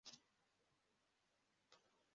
Imbwa ebyiri zireba umuntu zitareba kamera